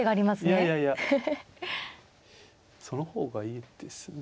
いやいやいやその方がいいですね